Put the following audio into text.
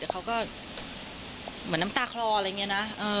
แต่เขาก็เหมือนน้ำตาคลออะไรอย่างนี้นะ